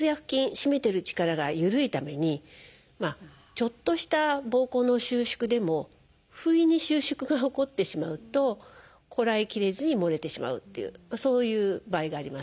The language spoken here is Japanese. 締めてる力が緩いためにちょっとしたぼうこうの収縮でも不意に収縮が起こってしまうとこらえきれずにもれてしまうっていうそういう場合があります。